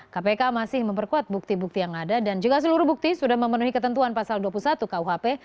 kpk masih memperkuat bukti bukti yang ada dan juga seluruh bukti sudah memenuhi ketentuan pasal dua puluh satu kuhp